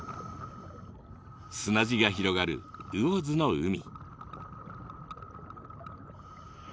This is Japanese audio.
砂地が広がる魚津の海。